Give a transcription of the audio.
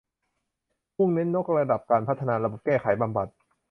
มุ่งเน้นยกระดับการพัฒนาระบบ แก้ไข บำบัด